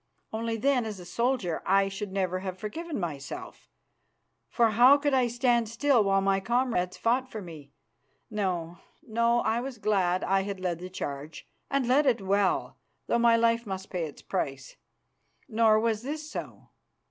Only then, as a soldier, I should never have forgiven myself, for how could I stand still while my comrades fought for me? No, no, I was glad I had led the charge and led it well, though my life must pay its price. Nor was this so.